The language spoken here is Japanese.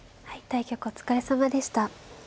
はい対局お疲れさまでした。